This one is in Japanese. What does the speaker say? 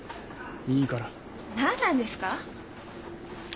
いいから。何なんですか？